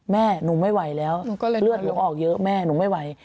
แม่หนูไม่ไหวแล้วเลือดหนูออกเยอะแม่หนูไม่ไหว